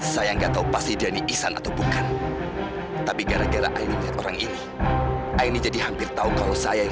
sampai jumpa di video selanjutnya